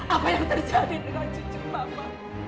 apa yang terjadi dengan cucu bapak